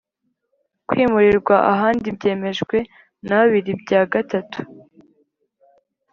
Kwimurirwa ahandi byemejwe na bibiri bya gatatu